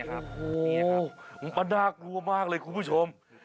โอ้โหมันน่ากลัวมากเลยคุณผู้ชม